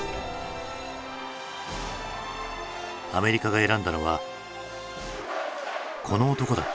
アメリカが選んだのはこの男だった。